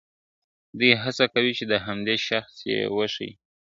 دوی هڅه کوي چي د همدې شخص یې وښيي ..